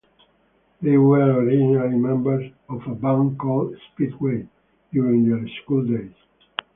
They were originally members of a band called "Speedway" during their school days.